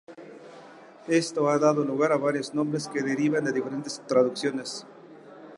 Esto ha dado lugar a varios nombres que derivan de diferentes traducciones.